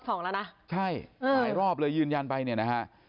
สองแล้วนะใช่หลายรอบเลยยืนยันไปเนี่ยนะฮะ